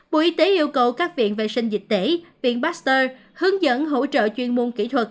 bộ y tế yêu cầu các viện vệ sinh dịch tễ viện pasteur hướng dẫn hỗ trợ chuyên môn kỹ thuật